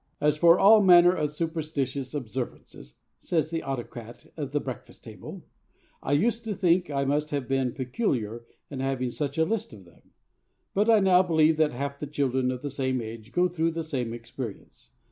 'As for all manner of superstitious observances,' says the autocrat of the Breakfast Table, 'I used to think I must have been peculiar in having such a list of them; but I now believe that half the children of the same age go through the same experience.